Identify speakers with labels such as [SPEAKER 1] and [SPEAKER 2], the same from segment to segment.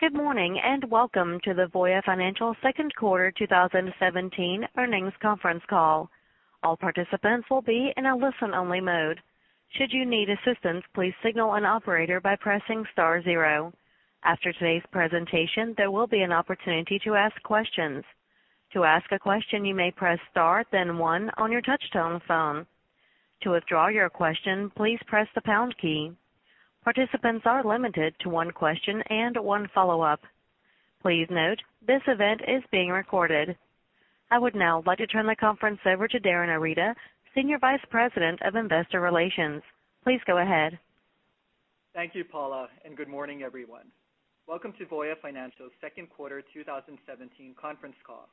[SPEAKER 1] Good morning, welcome to the Voya Financial second quarter 2017 earnings conference call. All participants will be in a listen only mode. Should you need assistance, please signal an operator by pressing star zero. After today's presentation, there will be an opportunity to ask questions. To ask a question, you may press star, then one on your touchtone phone. To withdraw your question, please press the pound key. Participants are limited to one question and one follow-up. Please note, this event is being recorded. I would now like to turn the conference over to Darin Arita, Senior Vice President of Investor Relations. Please go ahead.
[SPEAKER 2] Thank you, Paula, good morning, everyone. Welcome to Voya Financial's second quarter 2017 conference call.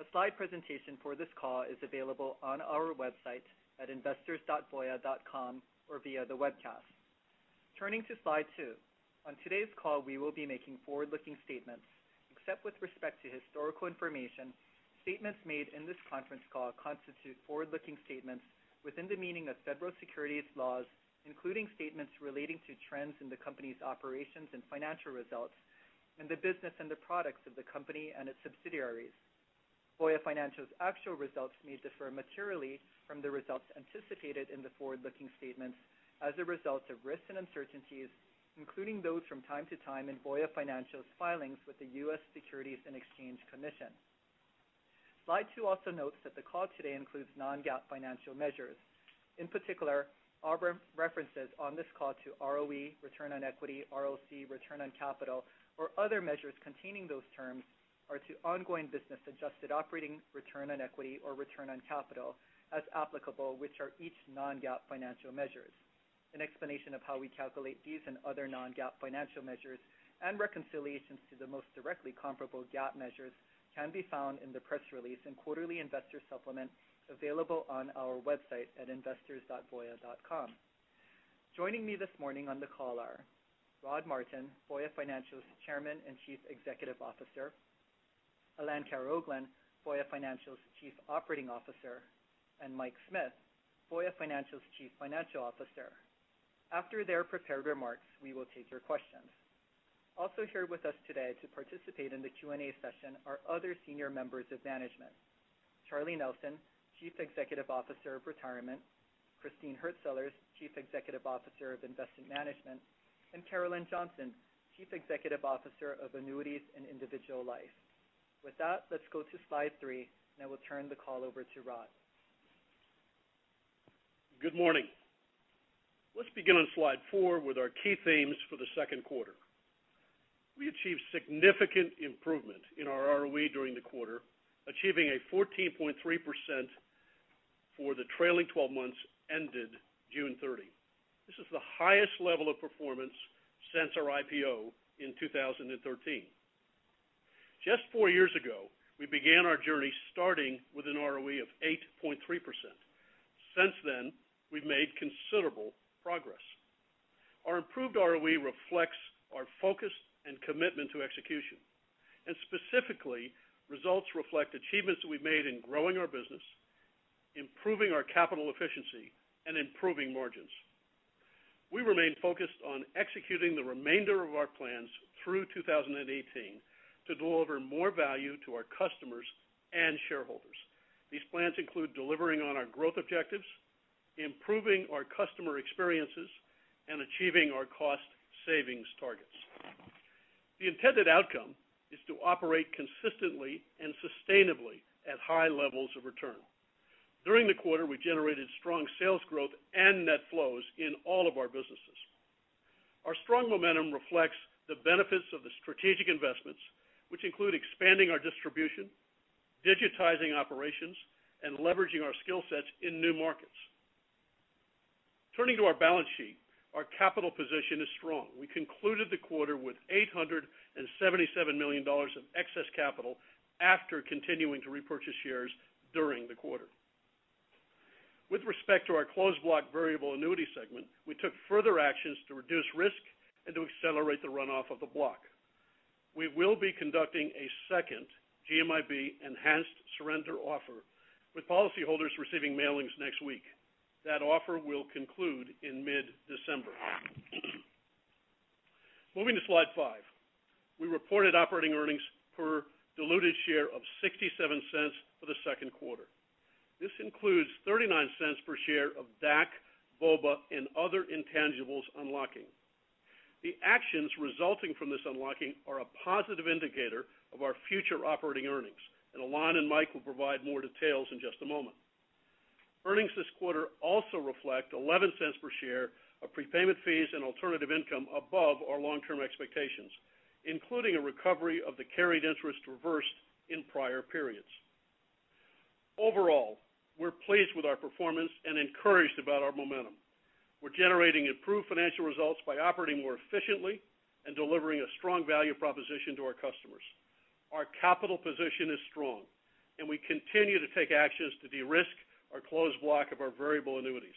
[SPEAKER 2] A slide presentation for this call is available on our website at investors.voya.com or via the webcast. Turning to slide two. On today's call, we will be making forward-looking statements. Except with respect to historical information, statements made in this conference call constitute forward-looking statements within the meaning of federal securities laws, including statements relating to trends in the company's operations and financial results, and the business and the products of the company and its subsidiaries. Voya Financial's actual results may differ materially from the results anticipated in the forward-looking statements as a result of risks and uncertainties, including those from time to time in Voya Financial's filings with the U.S. Securities and Exchange Commission. Slide two also notes that the call today includes non-GAAP financial measures. In particular, our references on this call to ROE, return on equity, ROC, return on capital, or other measures containing those terms are to ongoing business adjusted operating return on equity or return on capital as applicable, which are each non-GAAP financial measures. An explanation of how we calculate these and other non-GAAP financial measures and reconciliations to the most directly comparable GAAP measures can be found in the press release and quarterly investor supplement available on our website at investors.voya.com. Joining me this morning on the call are Rod Martin, Voya Financial's Chairman and Chief Executive Officer, Alain Karaoglan, Voya Financial's Chief Operating Officer, Mike Smith, Voya Financial's Chief Financial Officer. After their prepared remarks, we will take your questions. Also here with us today to participate in the Q&A session are other senior members of management, Charlie Nelson, Chief Executive Officer of Retirement, Christine Hurtsellers, Chief Executive Officer of Investment Management, Carolyn Johnson, Chief Executive Officer of Annuities and Individual Life. With that, let's go to slide three, I will turn the call over to Rod.
[SPEAKER 3] Good morning. Let's begin on slide four with our key themes for the second quarter. We achieved significant improvement in our ROE during the quarter, achieving a 14.3% for the trailing 12 months ended June 30. This is the highest level of performance since our IPO in 2013. Just four years ago, we began our journey starting with an ROE of 8.3%. Since then, we've made considerable progress. Our improved ROE reflects our focus and commitment to execution, and specifically, results reflect achievements that we've made in growing our business, improving our capital efficiency, and improving margins. We remain focused on executing the remainder of our plans through 2018 to deliver more value to our customers and shareholders. These plans include delivering on our growth objectives, improving our customer experiences, and achieving our cost savings targets. The intended outcome is to operate consistently and sustainably at high levels of return. During the quarter, we generated strong sales growth and net flows in all of our businesses. Our strong momentum reflects the benefits of the strategic investments, which include expanding our distribution, digitizing operations, and leveraging our skill sets in new markets. Turning to our balance sheet, our capital position is strong. We concluded the quarter with $877 million of excess capital after continuing to repurchase shares during the quarter. With respect to our Closed Block Variable Annuity segment, we took further actions to reduce risk and to accelerate the runoff of the block. We will be conducting a second GMIB enhanced surrender offer, with policyholders receiving mailings next week. That offer will conclude in mid-December. Moving to slide five. We reported operating earnings per diluted share of $0.67 for the second quarter. This includes $0.39 per share of DAC, VOBA, and other intangibles unlocking. The actions resulting from this unlocking are a positive indicator of our future operating earnings. Alain and Mike will provide more details in just a moment. Earnings this quarter also reflect $0.11 per share of prepayment fees and alternative income above our long-term expectations, including a recovery of the carried interest reversed in prior periods. Overall, we're pleased with our performance and encouraged about our momentum. We're generating improved financial results by operating more efficiently and delivering a strong value proposition to our customers. Our capital position is strong, and we continue to take actions to de-risk our closed block of our variable annuities.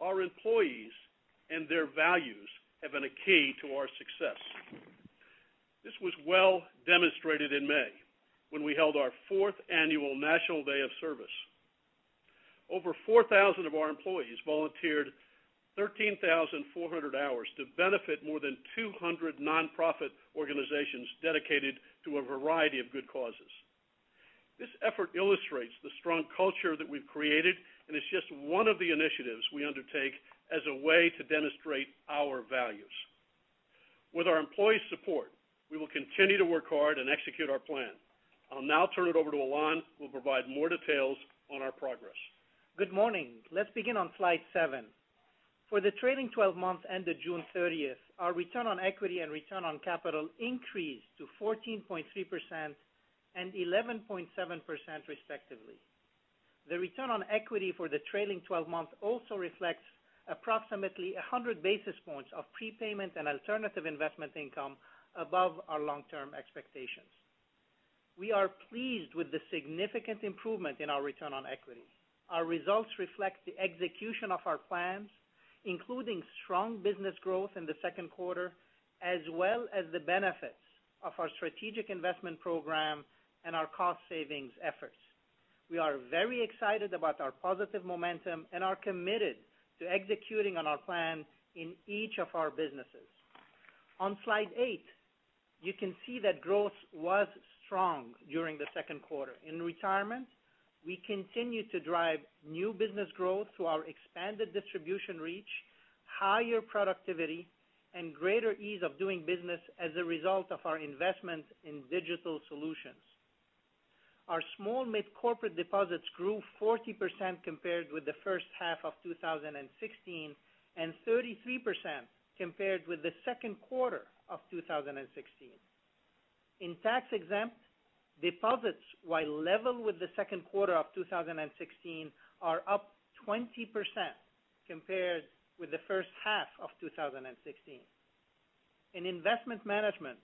[SPEAKER 3] Our employees and their values have been a key to our success. This was well demonstrated in May when we held our fourth annual National Day of Service. Over 4,000 of our employees volunteered 13,400 hours to benefit more than 200 nonprofit organizations dedicated to a variety of good causes. This effort illustrates the strong culture that we've created, and it's just one of the initiatives we undertake as a way to demonstrate our values. With our employees' support, we will continue to work hard and execute our plan. I'll now turn it over to Alain, who will provide more details on our progress.
[SPEAKER 4] Good morning. Let's begin on slide seven. For the trailing 12 months ended June 30th, our return on equity and return on capital increased to 14.3% and 11.7%, respectively. The return on equity for the trailing 12 months also reflects approximately 100 basis points of prepayment and alternative investment income above our long-term expectations. We are pleased with the significant improvement in our return on equity. Our results reflect the execution of our plans, including strong business growth in the second quarter, as well as the benefits of our strategic investment program and our cost savings efforts. We are very excited about our positive momentum and are committed to executing on our plan in each of our businesses. On slide eight, you can see that growth was strong during the second quarter. In Retirement, we continue to drive new business growth through our expanded distribution reach, higher productivity, and greater ease of doing business as a result of our investment in digital solutions. Our small mid-corporate deposits grew 40% compared with the first half of 2016, and 33% compared with the second quarter of 2016. In tax-exempt deposits, while level with the second quarter of 2016, are up 20% compared with the first half of 2016. In Investment Management,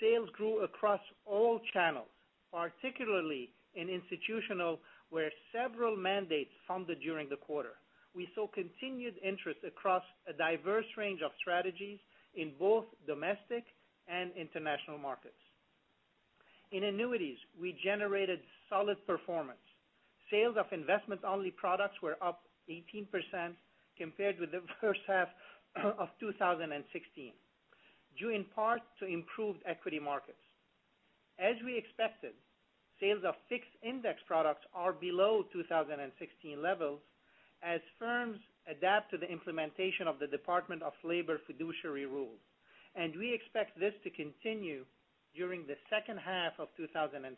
[SPEAKER 4] sales grew across all channels, particularly in institutional, where several mandates funded during the quarter. We saw continued interest across a diverse range of strategies in both domestic and international markets. In Annuities, we generated solid performance. Sales of investment-only products were up 18% compared with the first half of 2016, due in part to improved equity markets. As we expected, sales of fixed index products are below 2016 levels as firms adapt to the implementation of the Department of Labor fiduciary rule. We expect this to continue during the second half of 2017.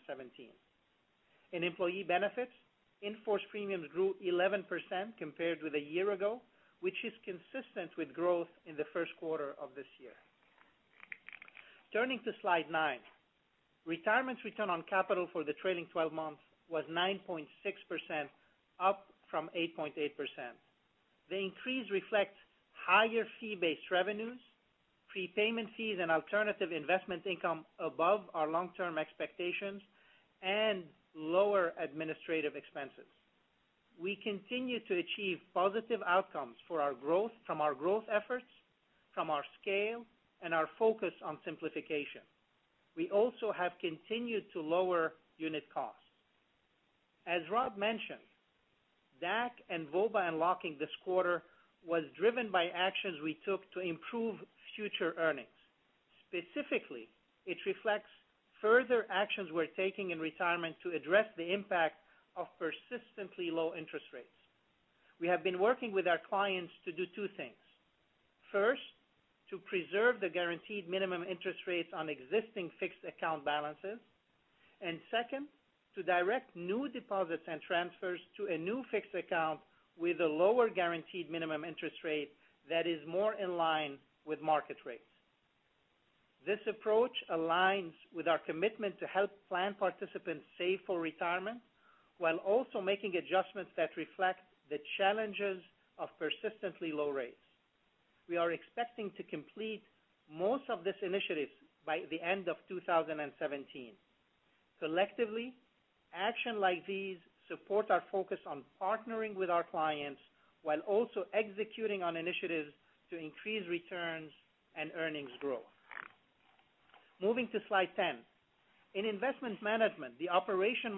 [SPEAKER 4] In Employee Benefits, in-force premiums grew 11% compared with a year ago, which is consistent with growth in the first quarter of this year. Turning to slide nine. Retirement's return on capital for the trailing 12 months was 9.6%, up from 8.8%. The increase reflects higher fee-based revenues, prepayment fees, and alternative investment income above our long-term expectations, and lower administrative expenses. We continue to achieve positive outcomes from our growth efforts, from our scale, and our focus on simplification. We also have continued to lower unit costs. As Rod mentioned, DAC and VOBA unlocking this quarter was driven by actions we took to improve future earnings. Specifically, it reflects further actions we're taking in Retirement to address the impact of persistently low interest rates. We have been working with our clients to do two things. First, to preserve the guaranteed minimum interest rates on existing fixed account balances. Second, to direct new deposits and transfers to a new fixed account with a lower guaranteed minimum interest rate that is more in line with market rates. This approach aligns with our commitment to help plan participants save for retirement, while also making adjustments that reflect the challenges of persistently low rates. We are expecting to complete most of these initiatives by the end of 2017. Collectively, action like these support our focus on partnering with our clients while also executing on initiatives to increase returns and earnings growth. Moving to slide 10. In Investment Management, the operating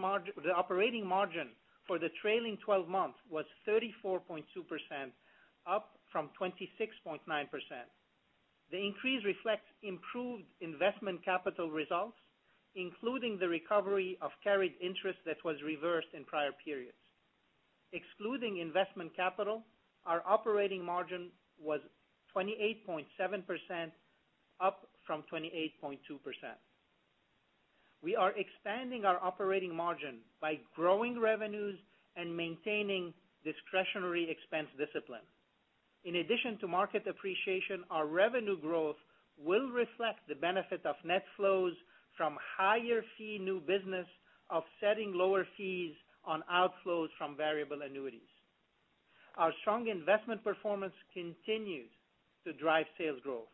[SPEAKER 4] margin for the trailing 12 months was 34.2%, up from 26.9%. The increase reflects improved investment capital results, including the recovery of carried interest that was reversed in prior periods. Excluding investment capital, our operating margin was 28.7%, up from 28.2%. We are expanding our operating margin by growing revenues and maintaining discretionary expense discipline. In addition to market appreciation, our revenue growth will reflect the benefit of net flows from higher fee new business offsetting lower fees on outflows from variable Annuities. Our strong investment performance continues to drive sales growth.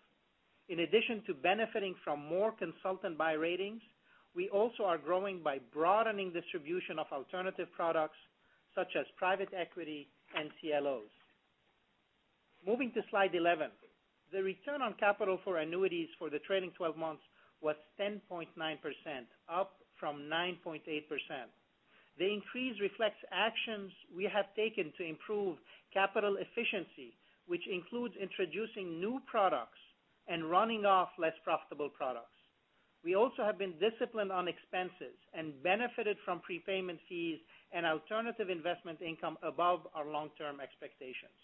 [SPEAKER 4] In addition to benefiting from more consultant buy ratings, we also are growing by broadening distribution of alternative products such as private equity and CLOs. Moving to slide 11. The return on capital for Annuities for the trailing 12 months was 10.9%, up from 9.8%. The increase reflects actions we have taken to improve capital efficiency, which includes introducing new products and running off less profitable products. We also have been disciplined on expenses and benefited from prepayment fees and alternative investment income above our long-term expectations.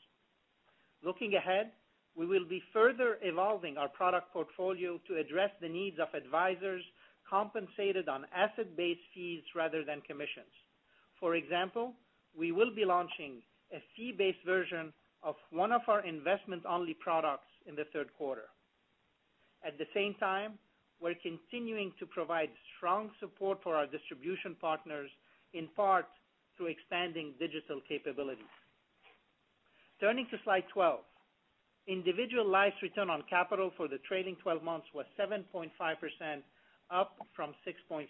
[SPEAKER 4] Looking ahead, we will be further evolving our product portfolio to address the needs of advisors compensated on asset-based fees rather than commissions. For example, we will be launching a fee-based version of one of our investment-only products in the third quarter. At the same time, we're continuing to provide strong support for our distribution partners, in part through expanding digital capabilities. Turning to slide 12. Individual Life's return on capital for the trailing 12 months was 7.5%, up from 6.6%.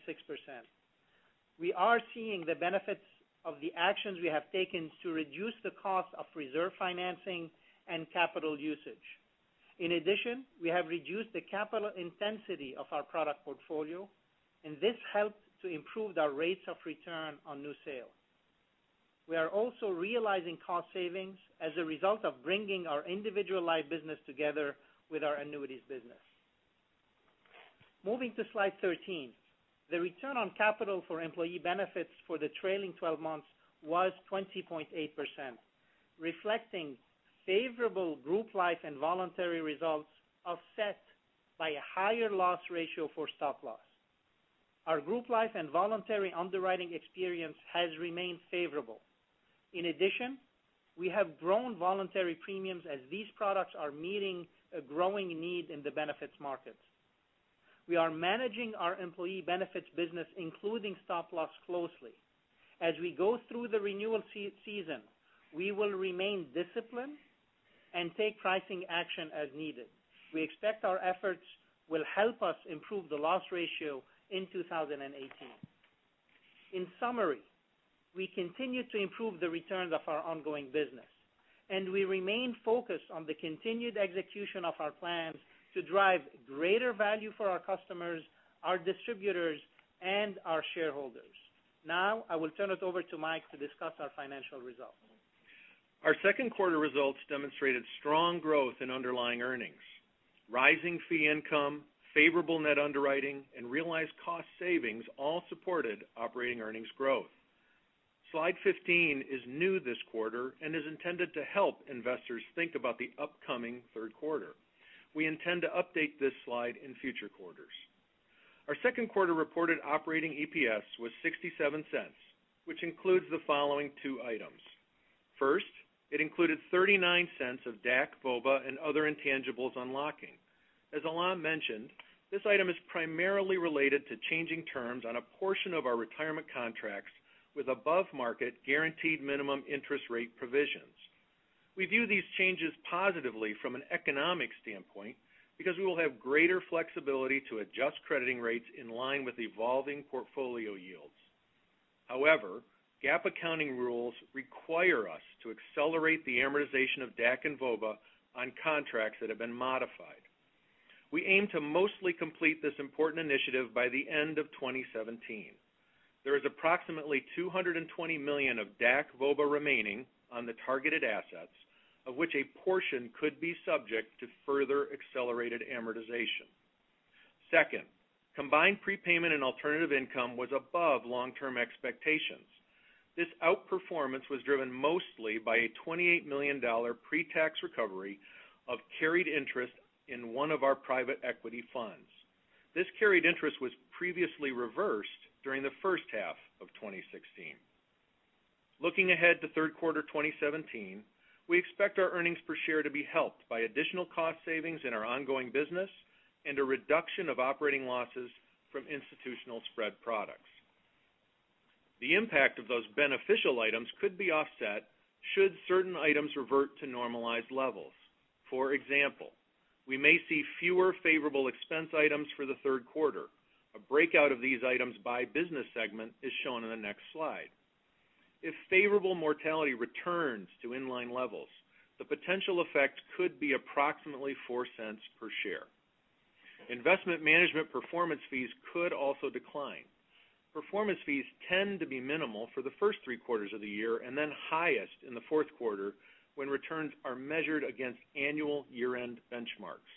[SPEAKER 4] We are seeing the benefits of the actions we have taken to reduce the cost of reserve financing and capital usage. In addition, we have reduced the capital intensity of our product portfolio, and this helped to improve our rates of return on new sales. We are also realizing cost savings as a result of bringing our Individual Life business together with our Annuities business. Moving to slide 13. The return on capital for Employee Benefits for the trailing 12 months was 20.8%, reflecting favorable Group Life and voluntary results offset by a higher loss ratio for Stop-Loss. Our Group Life and voluntary underwriting experience has remained favorable. In addition, we have grown voluntary premiums as these products are meeting a growing need in the benefits markets. We are managing our Employee Benefits business, including Stop-Loss, closely. As we go through the renewal season, we will remain disciplined and take pricing action as needed. We expect our efforts will help us improve the loss ratio in 2018. In summary, we continue to improve the returns of our ongoing business, and we remain focused on the continued execution of our plans to drive greater value for our customers, our distributors, and our shareholders. Now, I will turn it over to Mike to discuss our financial results.
[SPEAKER 5] Our second quarter results demonstrated strong growth in underlying earnings. Rising fee income, favorable net underwriting, and realized cost savings all supported operating earnings growth. Slide 15 is new this quarter and is intended to help investors think about the upcoming third quarter. We intend to update this slide in future quarters. Our second quarter reported operating EPS was $0.67, which includes the following two items. First, it included $0.39 of DAC, VOBA, and other intangibles unlocking. As Alain mentioned, this item is primarily related to changing terms on a portion of our Retirement contracts with above-market guaranteed minimum interest rate provisions. We view these changes positively from an economic standpoint because we will have greater flexibility to adjust crediting rates in line with evolving portfolio yields. However, GAAP accounting rules require us to accelerate the amortization of DAC and VOBA on contracts that have been modified. We aim to mostly complete this important initiative by the end of 2017. There is approximately $220 million of DAC, VOBA remaining on the targeted assets, of which a portion could be subject to further accelerated amortization. Second, combined prepayment and alternative income was above long-term expectations. This outperformance was driven mostly by a $28 million pre-tax recovery of carried interest in one of our private equity funds. This carried interest was previously reversed during the first half of 2016. Looking ahead to third quarter 2017, we expect our earnings per share to be helped by additional cost savings in our ongoing business and a reduction of operating losses from institutional spread products. The impact of those beneficial items could be offset should certain items revert to normalized levels. For example, we may see fewer favorable expense items for the third quarter. A breakout of these items by business segment is shown in the next slide. If favorable mortality returns to in-line levels, the potential effect could be approximately $0.04 per share. Investment Management performance fees could also decline. Performance fees tend to be minimal for the first three quarters of the year and then highest in the fourth quarter, when returns are measured against annual year-end benchmarks.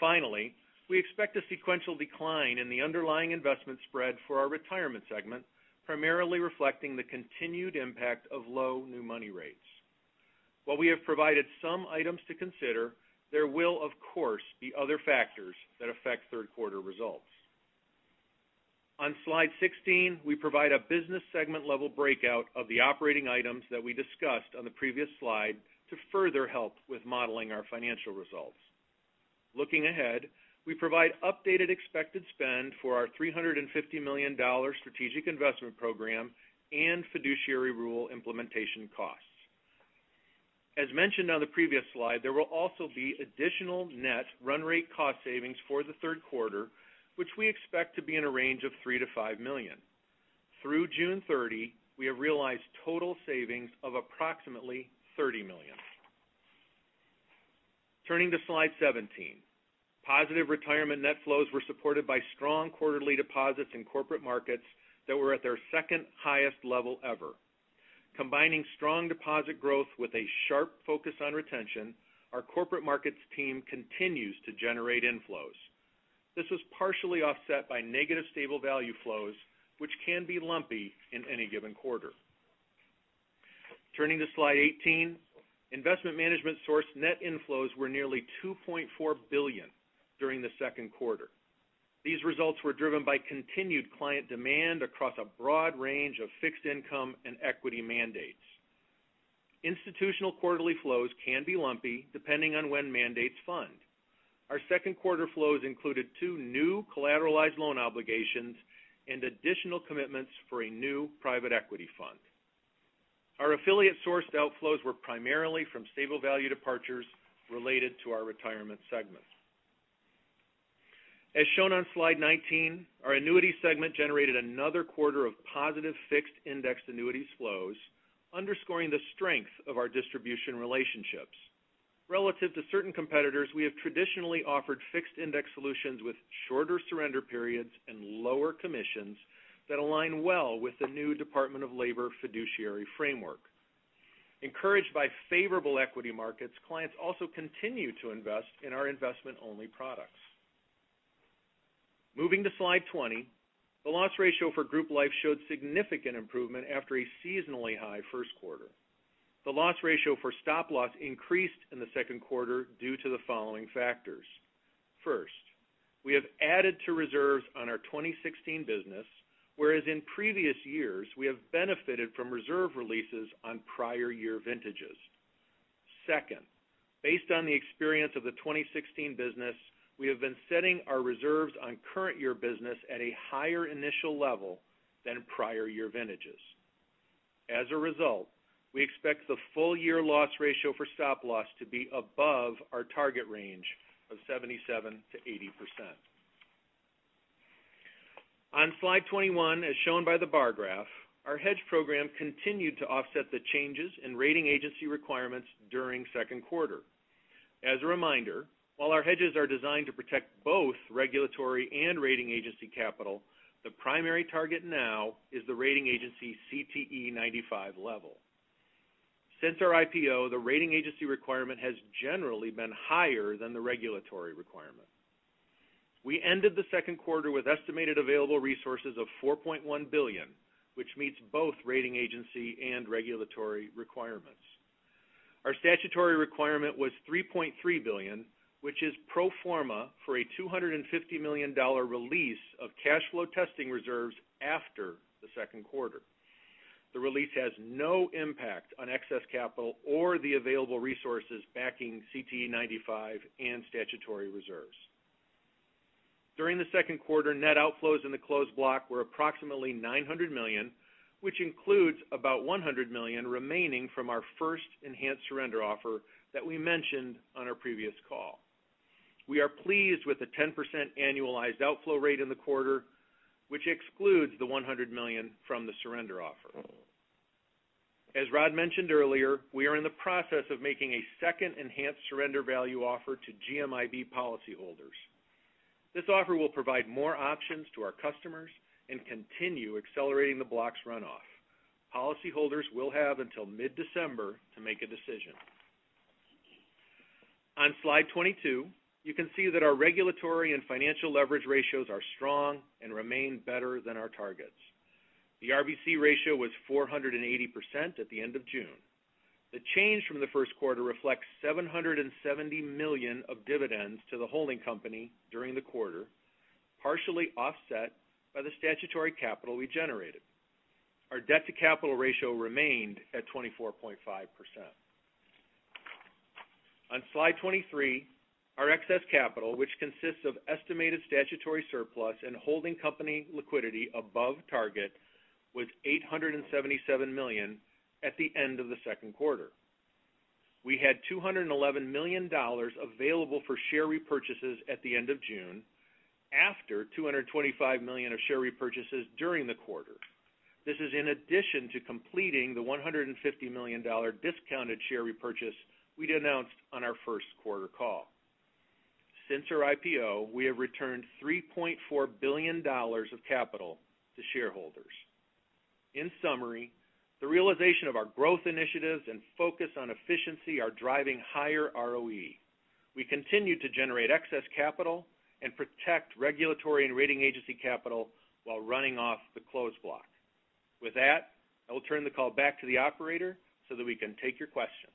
[SPEAKER 5] Finally, we expect a sequential decline in the underlying investment spread for our Retirement segment, primarily reflecting the continued impact of low new money rates. While we have provided some items to consider, there will of course be other factors that affect third quarter results. On Slide 16, we provide a business segment level breakout of the operating items that we discussed on the previous slide to further help with modeling our financial results. Looking ahead, we provide updated expected spend for our $350 million strategic investment program and Fiduciary Rule implementation costs. As mentioned on the previous slide, there will also be additional net run rate cost savings for the third quarter, which we expect to be in a range of $3 million-$5 million. Through June 30, we have realized total savings of approximately $30 million. Turning to Slide 17. Positive Retirement net flows were supported by strong quarterly deposits in corporate markets that were at their second highest level ever. Combining strong deposit growth with a sharp focus on retention, our corporate markets team continues to generate inflows. This was partially offset by negative stable value flows, which can be lumpy in any given quarter. Turning to Slide 18. Investment Management source net inflows were nearly $2.4 billion during the second quarter. These results were driven by continued client demand across a broad range of fixed income and equity mandates. Institutional quarterly flows can be lumpy depending on when mandates fund. Our second quarter flows included two new collateralized loan obligations and additional commitments for a new private equity fund. Our affiliate-sourced outflows were primarily from stable value departures related to our Retirement segment. As shown on slide 19, our Annuity segment generated another quarter of positive fixed indexed annuities flows, underscoring the strength of our distribution relationships. Relative to certain competitors, we have traditionally offered fixed indexed solutions with shorter surrender periods and lower commissions that align well with the new Department of Labor fiduciary framework. Encouraged by favorable equity markets, clients also continue to invest in our investment-only products. Moving to slide 20. The loss ratio for Group Life showed significant improvement after a seasonally high first quarter. The loss ratio for Stop-Loss increased in the second quarter due to the following factors. First, we have added to reserves on our 2016 business, whereas in previous years, we have benefited from reserve releases on prior year vintages. Second, based on the experience of the 2016 business, we have been setting our reserves on current year business at a higher initial level than prior year vintages. As a result, we expect the full-year loss ratio for Stop-Loss to be above our target range of 77%-80%. On slide 21, as shown by the bar graph, our hedge program continued to offset the changes in rating agency requirements during second quarter. As a reminder, while our hedges are designed to protect both regulatory and rating agency capital, the primary target now is the rating agency CTE95 level. Since our IPO, the rating agency requirement has generally been higher than the regulatory requirement. We ended the second quarter with estimated available resources of $4.1 billion, which meets both rating agency and regulatory requirements. Our statutory requirement was $3.3 billion, which is pro forma for a $250 million release of cash flow testing reserves after the second quarter. The release has no impact on excess capital or the available resources backing CTE95 and statutory reserves. During the second quarter, net outflows in the Closed Block were approximately $900 million, which includes about $100 million remaining from our first enhanced surrender offer that we mentioned on our previous call. We are pleased with the 10% annualized outflow rate in the quarter, which excludes the $100 million from the surrender offer. As Rod mentioned earlier, we are in the process of making a second enhanced surrender value offer to GMIB policyholders. This offer will provide more options to our customers and continue accelerating the block's runoff. Policyholders will have until mid-December to make a decision. On slide 22, you can see that our regulatory and financial leverage ratios are strong and remain better than our targets. The RBC ratio was 480% at the end of June. The change from the first quarter reflects $770 million of dividends to the holding company during the quarter, partially offset by the statutory capital we generated. Our debt-to-capital ratio remained at 24.5%. On slide 23, our excess capital, which consists of estimated statutory surplus and holding company liquidity above target, was $877 million at the end of the second quarter. We had $211 million available for share repurchases at the end of June, after $225 million of share repurchases during the quarter. This is in addition to completing the $150 million discounted share repurchase we'd announced on our first quarter call. Since our IPO, we have returned $3.4 billion of capital to shareholders. In summary, the realization of our growth initiatives and focus on efficiency are driving higher ROE. We continue to generate excess capital and protect regulatory and rating agency capital while running off the Closed Block. With that, I will turn the call back to the operator so that we can take your questions.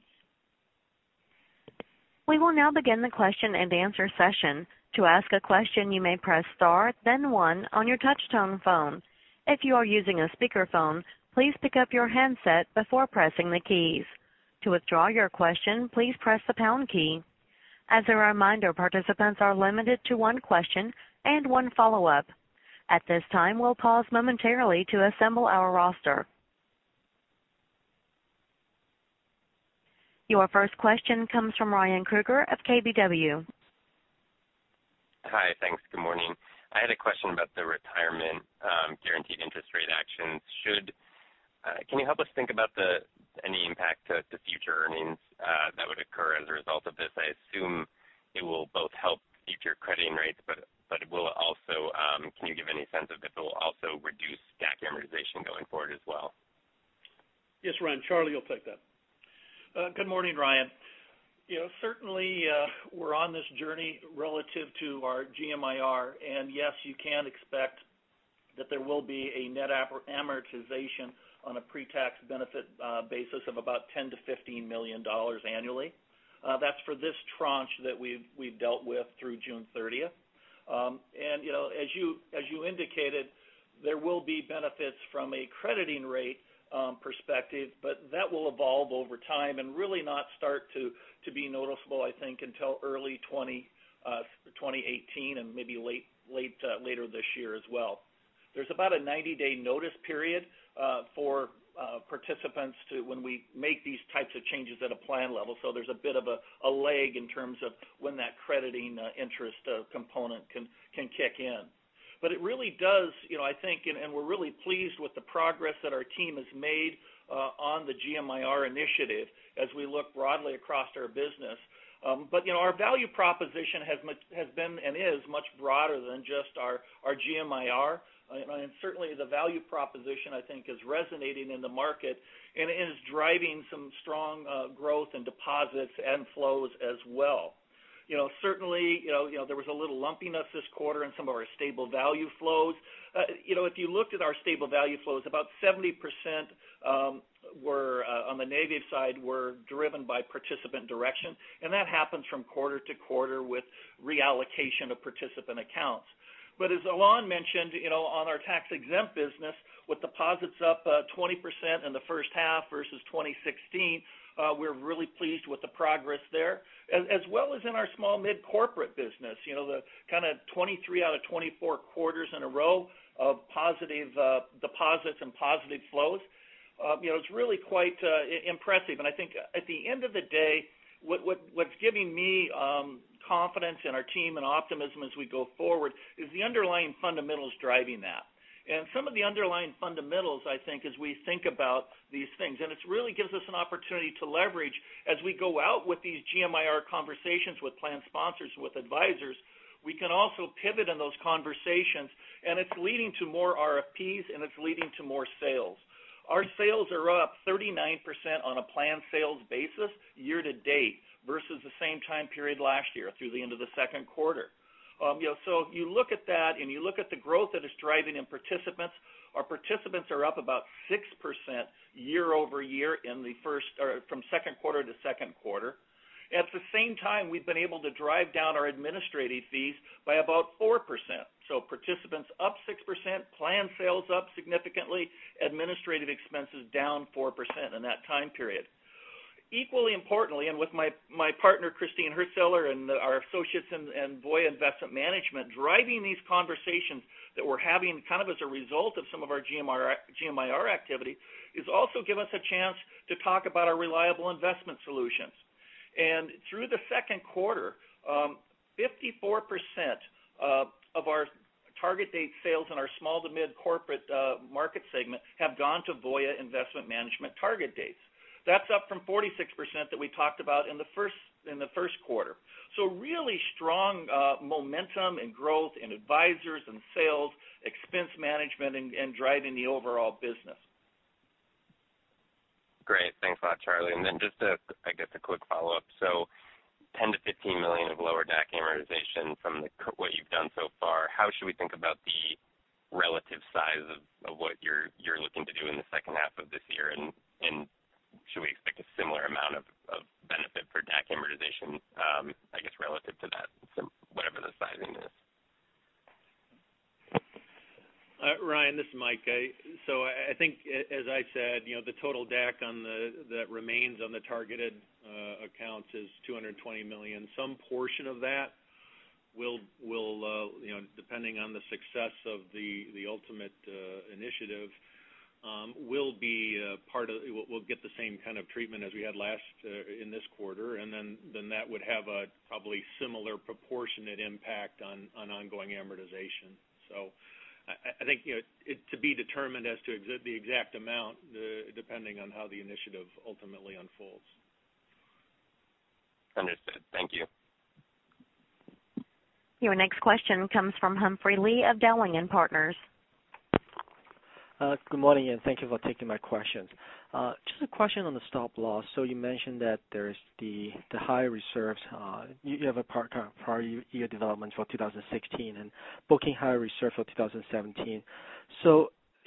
[SPEAKER 1] We will now begin the question-and-answer session. To ask a question, you may press star then one on your touch-tone phone. If you are using a speakerphone, please pick up your handset before pressing the keys. To withdraw your question, please press the pound key. As a reminder, participants are limited to one question and one follow-up. At this time, we'll pause momentarily to assemble our roster. Your first question comes from Ryan Krueger of KBW.
[SPEAKER 6] Hi. Thanks. Good morning. I had a question about the Retirement guaranteed interest rate actions. Can you help us think about any impact to future earnings that would occur as a result of this? I assume it will both help future crediting rates, but can you give any sense if it will also reduce DAC amortization going forward as well?
[SPEAKER 5] Yes, Ryan. Charlie will take that.
[SPEAKER 7] Good morning, Ryan. Certainly, we're on this journey relative to our GMIR, yes, you can expect that there will be a net amortization on a pre-tax benefit basis of about $10 million-$15 million annually. That's for this tranche that we've dealt with through June 30th. As you indicated, there will be benefits from a crediting rate perspective, but that will evolve over time and really not start to be noticeable, I think, until early 2018 and maybe later this year as well. There's about a 90-day notice period for participants when we make these types of changes at a plan level. There's a bit of a lag in terms of when that crediting interest component can kick in. It really does, I think, and we're really pleased with the progress that our team has made on the GMIR initiative as we look broadly across our business. Our value proposition has been and is much broader than just our GMIR. Certainly the value proposition, I think, is resonating in the market and is driving some strong growth in deposits and flows as well. Certainly, there was a little lumpiness this quarter in some of our stable value flows. If you looked at our stable value flows, about 70% on the native side were driven by participant direction, and that happens from quarter to quarter with reallocation of participant accounts. As Alain mentioned, on our tax-exempt business, with deposits up 20% in the first half versus 2016, we're really pleased with the progress there, as well as in our small-mid corporate business. The kind of 23 out of 24 quarters in a row of positive deposits and positive flows, it's really quite impressive. I think at the end of the day, what's giving me confidence in our team and optimism as we go forward is the underlying fundamentals driving that. Some of the underlying fundamentals, I think, as we think about these things, it really gives us an opportunity to leverage as we go out with these GMIR conversations with plan sponsors, with advisors, we can also pivot in those conversations, it's leading to more RFPs, and it's leading to more sales. Our sales are up 39% on a planned sales basis year-to-date versus the same time period last year through the end of the second quarter. If you look at that and you look at the growth that it's driving in participants, our participants are up about 6% year-over-year from second quarter to second quarter. At the same time, we've been able to drive down our administrative fees by about 4%. Participants up 6%, plan sales up significantly, administrative expenses down 4% in that time period. Equally importantly, with my partner, Christine Hurtsellers, and our associates in Voya Investment Management, driving these conversations that we're having kind of as a result of some of our GMIR activity, is also give us a chance to talk about our reliable investment solutions. Through the second quarter, 54% of our target date sales in our small-to-mid-corporate market segment have gone to Voya Investment Management target dates. That's up from 46% that we talked about in the first quarter. Really strong momentum in growth in advisors and sales, expense management, and driving the overall business.
[SPEAKER 6] Great. Thanks a lot, Charlie. Just, I guess, a quick follow-up. $10 million-$15 million of lower DAC amortization from what you've done so far, how should we think about the relative size of what you're looking to do in the second half of this year? Should we expect a similar amount of benefit for DAC amortization, I guess, relative to that, whatever the sizing is?
[SPEAKER 5] Ryan, this is Mike. I think as I said, the total DAC that remains on the targeted accounts is $220 million. Some portion of that, depending on the success of the ultimate initiative, will get the same kind of treatment as we had in this quarter, and then that would have a probably similar proportionate impact on ongoing amortization. I think it's to be determined as to the exact amount, depending on how the initiative ultimately unfolds.
[SPEAKER 6] Understood. Thank you.
[SPEAKER 1] Your next question comes from Humphrey Lee of Dowling & Partners.
[SPEAKER 8] Good morning, thank you for taking my questions. Just a question on the stop loss. You mentioned that there's the higher reserves. You have a prior year development for 2016 and booking higher reserve for 2017.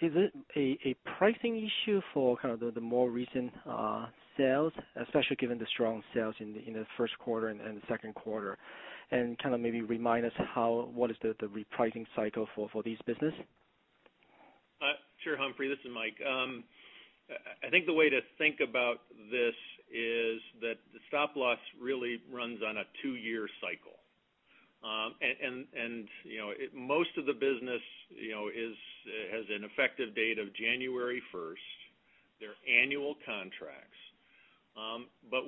[SPEAKER 8] Is it a pricing issue for kind of the more recent sales, especially given the strong sales in the first quarter and second quarter? Kind of maybe remind us what is the repricing cycle for this business?
[SPEAKER 5] Sure, Humphrey. This is Mike. I think the way to think about this is that the stop loss really runs on a two-year cycle. Most of the business has an effective date of January 1st.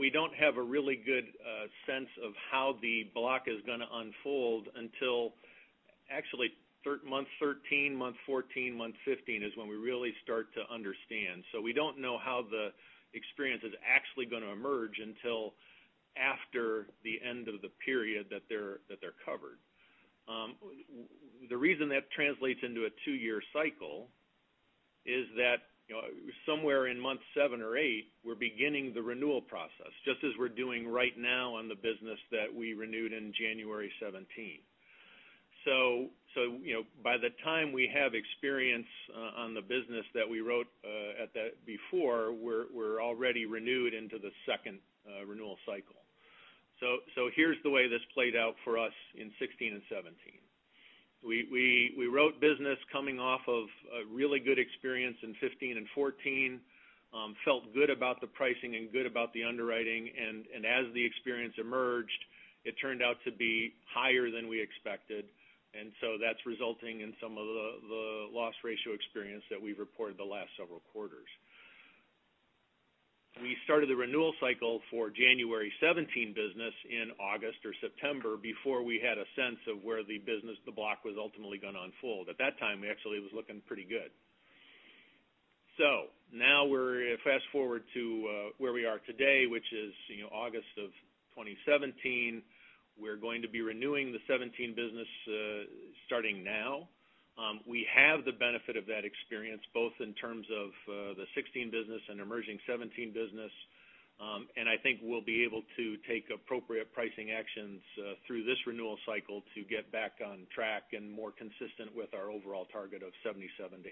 [SPEAKER 5] We don't have a really good sense of how the block is going to unfold until actually month 13, month 14, month 15 is when we really start to understand. We don't know how the experience is actually going to emerge until after the end of the period that they're covered. The reason that translates into a two-year cycle is that somewhere in month 7 or 8, we're beginning the renewal process, just as we're doing right now on the business that we renewed in January 2017. By the time we have experience on the business that we wrote before, we're already renewed into the second renewal cycle. Here's the way this played out for us in 2016 and 2017. We wrote business coming off of a really good experience in '15 and '14, felt good about the pricing, good about the underwriting. As the experience emerged, it turned out to be higher than we expected. That's resulting in some of the loss ratio experience that we've reported the last several quarters. We started the renewal cycle for January '17 business in August or September before we had a sense of where the business, the block was ultimately going to unfold. At that time, actually, it was looking pretty good. Now we're fast-forward to where we are today, which is August of 2017. We're going to be renewing the '17 business starting now. We have the benefit of that experience, both in terms of the '16 business and emerging '17 business. I think we'll be able to take appropriate pricing actions through this renewal cycle to get back on track and more consistent with our overall target of 77%-80%.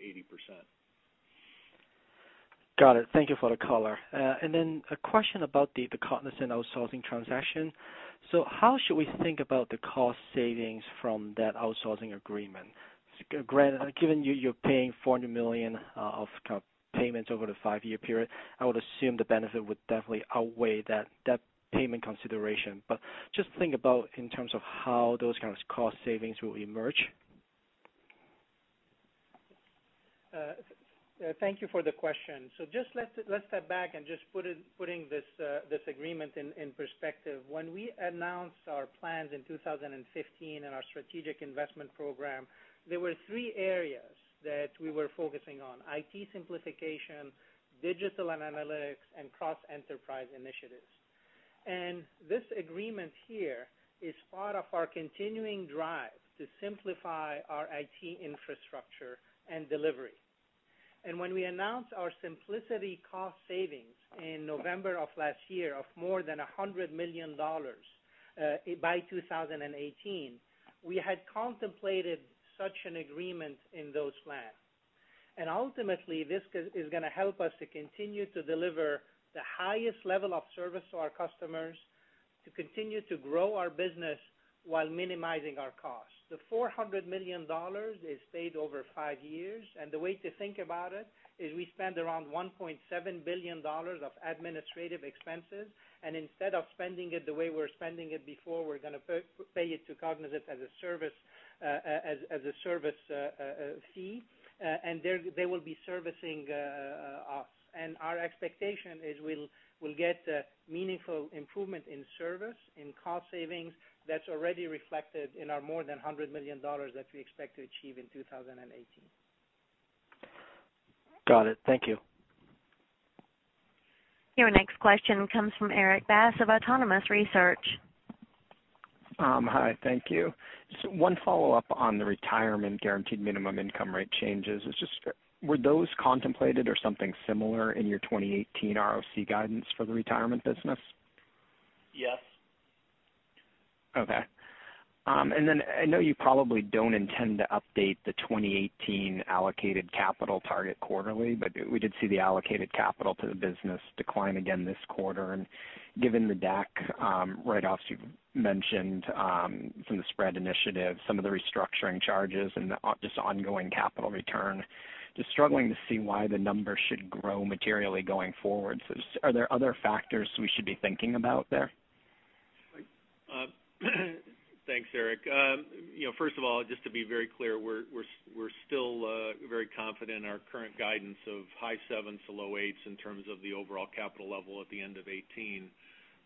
[SPEAKER 8] Got it. Thank you for the color. A question about the Cognizant outsourcing transaction. How should we think about the cost savings from that outsourcing agreement? Given you're paying $400 million of payments over the five-year period, I would assume the benefit would definitely outweigh that payment consideration. Just think about in terms of how those kind of cost savings will emerge.
[SPEAKER 4] Thank you for the question. Just let's step back and just putting this agreement in perspective. When we announced our plans in 2015 and our strategic investment program, there were three areas that we were focusing on, IT simplification, digital and analytics, and cross-enterprise initiatives. This agreement here is part of our continuing drive to simplify our IT infrastructure and delivery. When we announced our simplicity cost savings in November of last year of more than $100 million by 2018, we had contemplated such an agreement in those plans. Ultimately, this is going to help us to continue to deliver the highest level of service to our customers, to continue to grow our business while minimizing our costs. The $400 million is paid over five years. The way to think about it is we spend around $1.7 billion of administrative expenses. Instead of spending it the way we were spending it before, we're going to pay it to Cognizant as a service fee. They will be servicing us. Our expectation is we'll get meaningful improvement in service, in cost savings that's already reflected in our more than $100 million that we expect to achieve in 2018.
[SPEAKER 8] Got it. Thank you.
[SPEAKER 1] Your next question comes from Erik Bass of Autonomous Research.
[SPEAKER 9] Hi, thank you. One follow-up on the Retirement Guaranteed Minimum Income Rate changes. Were those contemplated or something similar in your 2018 ROC guidance for the Retirement business?
[SPEAKER 5] Yes.
[SPEAKER 9] Okay. I know you probably don't intend to update the 2018 allocated capital target quarterly, but we did see the allocated capital to the business decline again this quarter. Given the DAC write-offs you've mentioned from the spread initiative, some of the restructuring charges, and just ongoing capital return, just struggling to see why the numbers should grow materially going forward. Are there other factors we should be thinking about there?
[SPEAKER 5] Thanks, Erik. First of all, just to be very clear, we're still very confident in our current guidance of high sevens to low eights in terms of the overall capital level at the end of 2018.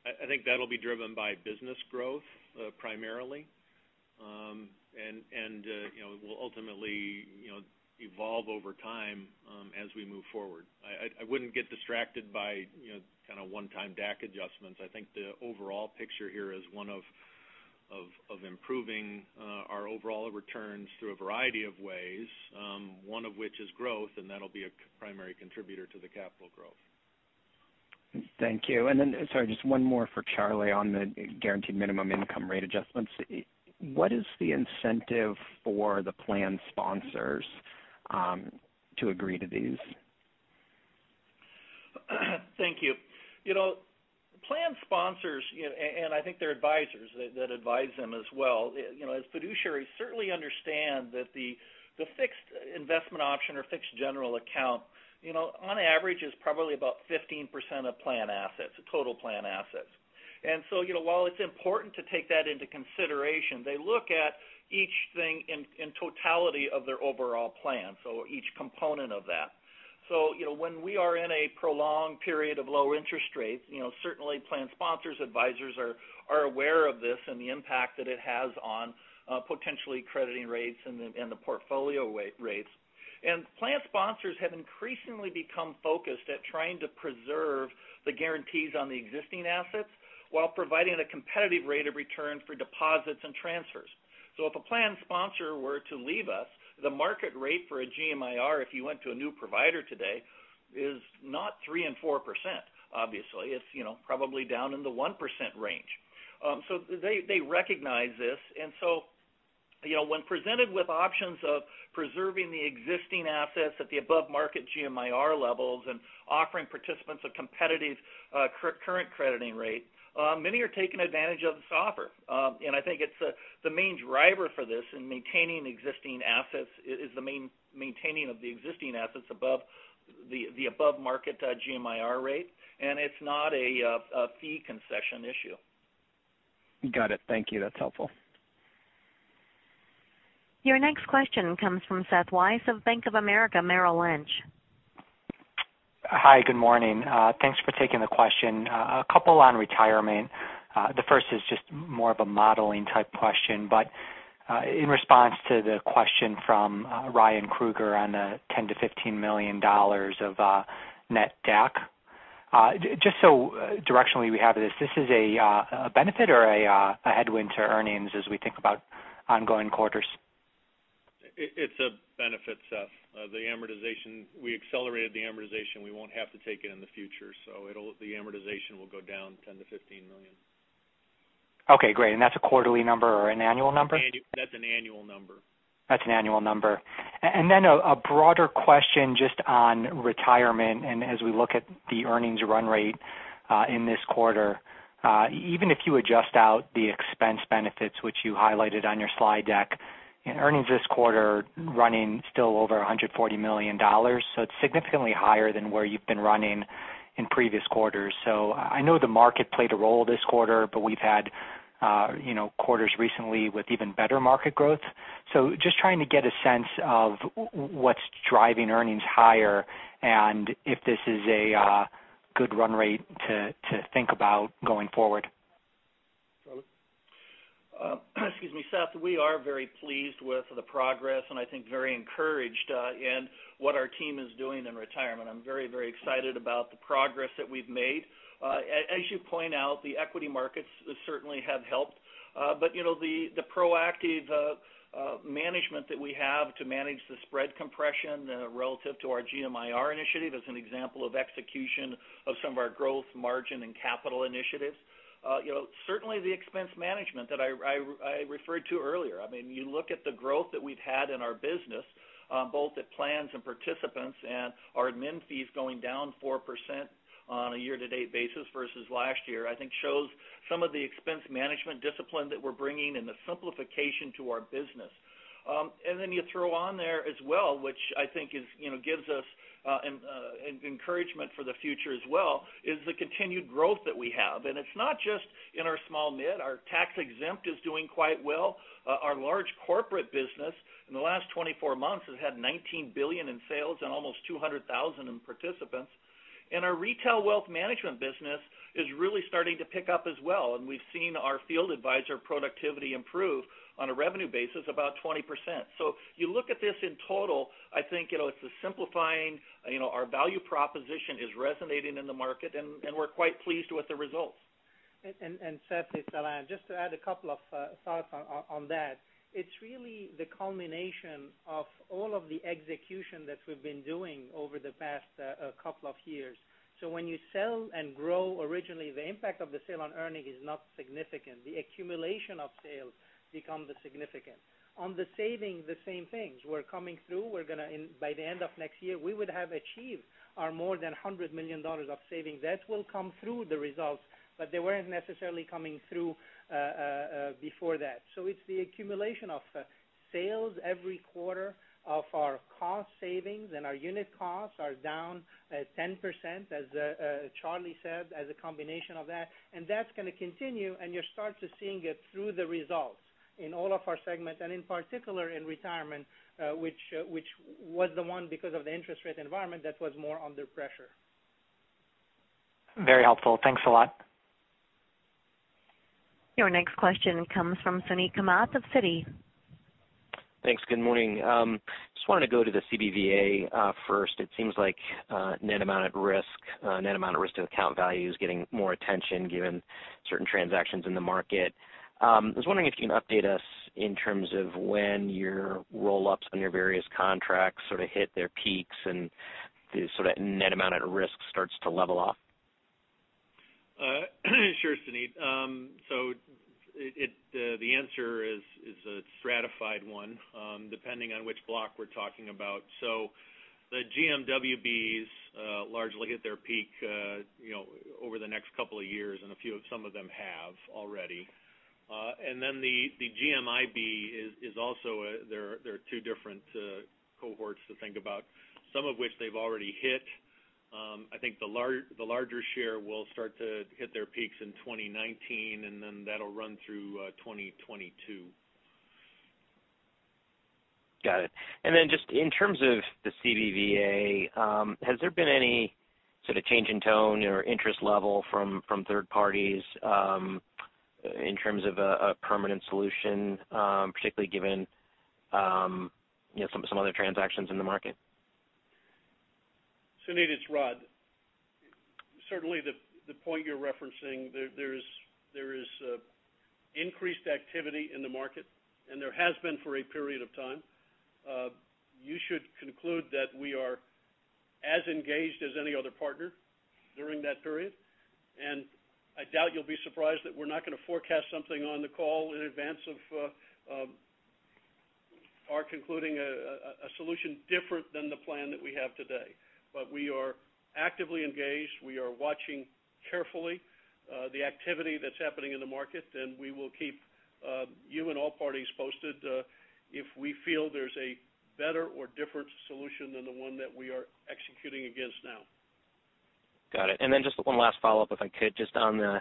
[SPEAKER 5] I think that'll be driven by business growth primarily. It will ultimately evolve over time as we move forward. I wouldn't get distracted by one-time DAC adjustments. I think the overall picture here is one of improving our overall returns through a variety of ways, one of which is growth, and that'll be a primary contributor to the capital growth.
[SPEAKER 9] Thank you. Sorry, just one more for Charlie on the guaranteed minimum income rate adjustments. What is the incentive for the plan sponsors to agree to these?
[SPEAKER 7] Thank you. Plan sponsors, I think their advisors that advise them as well, as fiduciaries certainly understand that the fixed investment option or fixed general account On average, it's probably about 15% of total plan assets. While it's important to take that into consideration, they look at each thing in totality of their overall plan, so each component of that. When we are in a prolonged period of low interest rates, certainly plan sponsors, advisors are aware of this and the impact that it has on potentially crediting rates and the portfolio rates. Plan sponsors have increasingly become focused at trying to preserve the guarantees on the existing assets while providing a competitive rate of return for deposits and transfers. If a plan sponsor were to leave us, the market rate for a GMIR, if you went to a new provider today, is not 3% and 4%, obviously. It's probably down in the 1% range. They recognize this, and so when presented with options of preserving the existing assets at the above-market GMIR levels and offering participants a competitive current crediting rate, many are taking advantage of this offer. I think the main driver for this in maintaining the existing assets above the above-market GMIR rate, and it's not a fee concession issue.
[SPEAKER 9] Got it. Thank you. That's helpful.
[SPEAKER 1] Your next question comes from Seth Weiss of Bank of America Merrill Lynch.
[SPEAKER 10] Hi. Good morning. Thanks for taking the question. A couple on Retirement. The first is just more of a modeling type question, but in response to the question from Ryan Krueger on the $10 to $15 million of net DAC. Just so directionally we have this is a benefit or a headwind to earnings as we think about ongoing quarters?
[SPEAKER 5] It's a benefit, Seth. We accelerated the amortization. We won't have to take it in the future. The amortization will go down $10 million to $15 million.
[SPEAKER 10] Okay, great. That's a quarterly number or an annual number?
[SPEAKER 5] That's an annual number.
[SPEAKER 10] That's an annual number. A broader question just on Retirement, as we look at the earnings run rate in this quarter. Even if you adjust out the expense benefits, which you highlighted on your slide deck, in earnings this quarter, running still over $140 million. It's significantly higher than where you've been running in previous quarters. I know the market played a role this quarter, but we've had quarters recently with even better market growth. Just trying to get a sense of what's driving earnings higher and if this is a good run rate to think about going forward.
[SPEAKER 7] Seth, we are very pleased with the progress and I think very encouraged in what our team is doing in Retirement. I'm very excited about the progress that we've made. As you point out, the equity markets certainly have helped. The proactive management that we have to manage the spread compression relative to our GMIR Initiative is an example of execution of some of our growth margin and capital initiatives. Certainly, the expense management that I referred to earlier. You look at the growth that we've had in our business, both at plans and participants, and our admin fees going down 4% on a year-to-date basis versus last year, I think shows some of the expense management discipline that we're bringing and the simplification to our business. You throw on there as well, which I think gives us encouragement for the future as well, is the continued growth that we have. It's not just in our small mid. Our tax-exempt is doing quite well. Our large corporate business in the last 24 months has had $19 billion in sales and almost 200,000 in participants. Our retail wealth management business is really starting to pick up as well, and we've seen our field advisor productivity improve on a revenue basis about 20%. You look at this in total, I think it's a simplifying. Our value proposition is resonating in the market, and we're quite pleased with the results.
[SPEAKER 4] Seth, it's Alain. Just to add a couple of thoughts on that. It's really the culmination of all of the execution that we've been doing over the past couple of years. When you sell and grow originally, the impact of the sale on earning is not significant. The accumulation of sales becomes significant. On the savings, the same things. We're coming through. By the end of next year, we would have achieved our more than $100 million of savings. That will come through the results, but they weren't necessarily coming through before that. It's the accumulation of sales every quarter of our cost savings, and our unit costs are down at 10%, as Charlie said, as a combination of that. That's going to continue, and you'll start to seeing it through the results in all of our segments, and in particular in Retirement which was the one because of the interest rate environment that was more under pressure.
[SPEAKER 10] Very helpful. Thanks a lot.
[SPEAKER 1] Your next question comes from Suneet Kamath of Citi.
[SPEAKER 11] Thanks. Good morning. Just wanted to go to the CBVA first. It seems like net amount at risk to account value is getting more attention given certain transactions in the market. I was wondering if you can update us in terms of when your roll-ups on your various contracts sort of hit their peaks and the net amount at risk starts to level off.
[SPEAKER 5] Sure, Suneet. The answer is a stratified one, depending on which block we're talking about. The GMWBs largely hit their peak over the next couple of years, and some of them have already. The GMIB is also, there are two different cohorts to think about, some of which they've already hit. I think the larger share will start to hit their peaks in 2019, and then that'll run through 2022.
[SPEAKER 11] Got it. Just in terms of the CBVA, has there been any sort of change in tone or interest level from third parties in terms of a permanent solution, particularly given some other transactions in the market?
[SPEAKER 3] Suneet, it's Rod. Certainly, the point you're referencing, there is increased activity in the market, and there has been for a period of time. You should conclude that we are as engaged as any other partner during that period. I doubt you'll be surprised that we're not going to forecast something on the call in advance of our concluding a solution different than the plan that we have today. We are actively engaged. We are watching carefully the activity that's happening in the market, and we will keep you and all parties posted if we feel there's a better or different solution than the one that we are executing against now.
[SPEAKER 11] Got it. Just one last follow-up, if I could, just on the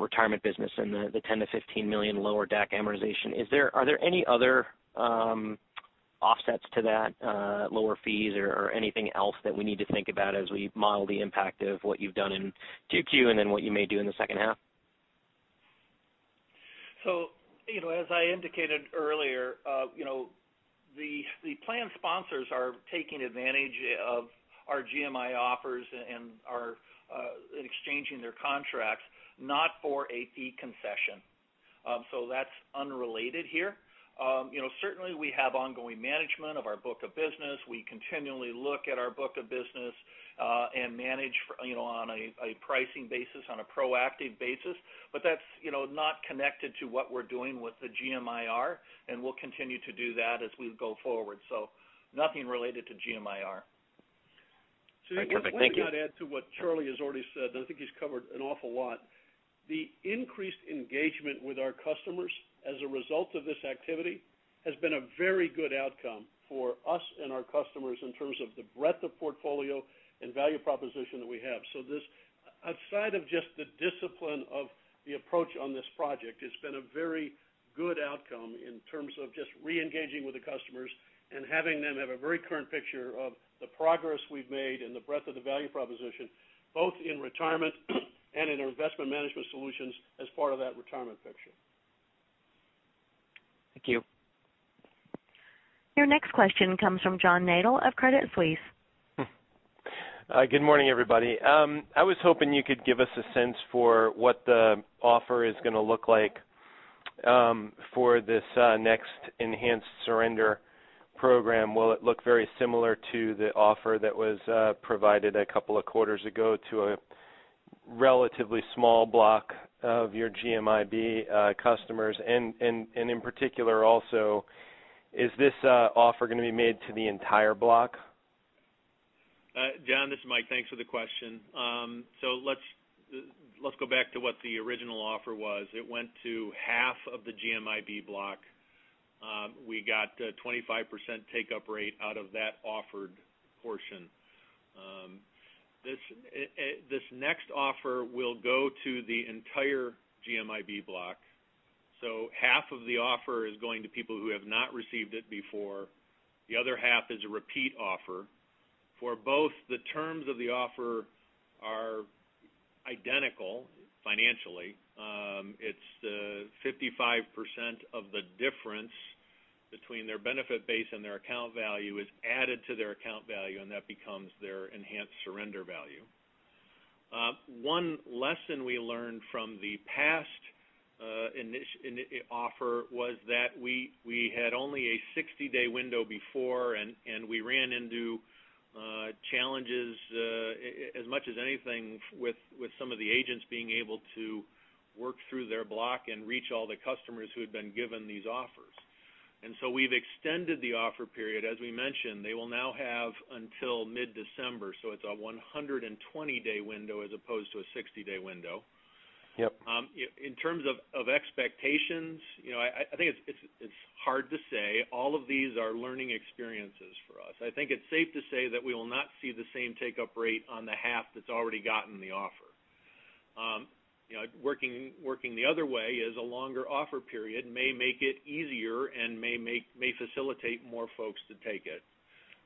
[SPEAKER 11] Retirement business and the $10 million-$15 million lower DAC amortization. Are there any other offsets to that lower fees or anything else that we need to think about as we model the impact of what you've done in 2Q and what you may do in the second half?
[SPEAKER 7] As I indicated earlier, the plan sponsors are taking advantage of our GMI offers and are exchanging their contracts, not for a fee concession. That's unrelated here. Certainly, we have ongoing management of our book of business. We continually look at our book of business, and manage on a pricing basis, on a proactive basis. That's not connected to what we're doing with the GMIR, and we'll continue to do that as we go forward. Nothing related to GMIR.
[SPEAKER 11] Perfect. Thank you.
[SPEAKER 3] If I can add to what Charlie has already said, and I think he's covered an awful lot. The increased engagement with our customers as a result of this activity has been a very good outcome for us and our customers in terms of the breadth of portfolio and value proposition that we have. Outside of just the discipline of the approach on this project, it's been a very good outcome in terms of just re-engaging with the customers and having them have a very current picture of the progress we've made and the breadth of the value proposition, both in Retirement and in our Investment Management solutions as part of that Retirement picture.
[SPEAKER 11] Thank you.
[SPEAKER 1] Your next question comes from John Nadel of Credit Suisse.
[SPEAKER 12] Good morning, everybody. I was hoping you could give us a sense for what the offer is going to look like for this next enhanced surrender program. Will it look very similar to the offer that was provided a couple of quarters ago to a relatively small block of your GMIB customers? In particular, also, is this offer going to be made to the entire block?
[SPEAKER 5] John, this is Mike. Thanks for the question. Let's go back to what the original offer was. It went to half of the GMIB block. We got 25% take-up rate out of that offered portion. This next offer will go to the entire GMIB block. Half of the offer is going to people who have not received it before. The other half is a repeat offer. For both, the terms of the offer are identical financially. It's the 55% of the difference between their benefit base and their account value is added to their account value, and that becomes their enhanced surrender value. One lesson we learned from the past offer was that we had only a 60-day window before, and we ran into challenges as much as anything with some of the agents being able to work through their block and reach all the customers who had been given these offers. We've extended the offer period. As we mentioned, they will now have until mid-December, so it's a 120-day window as opposed to a 60-day window.
[SPEAKER 12] Yep.
[SPEAKER 5] In terms of expectations, I think it's hard to say. All of these are learning experiences for us. I think it's safe to say that we will not see the same take-up rate on the half that's already gotten the offer. Working the other way is a longer offer period may make it easier and may facilitate more folks to take it.